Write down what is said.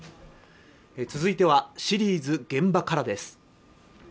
続いてはシリーズ「現場から」です